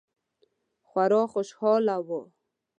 خورا خوشحاله وه.